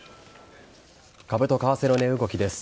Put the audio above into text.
株と為替の値動きです。